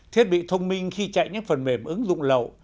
thiết bị thông minh khi chạy những phần mềm ứng dụng lậu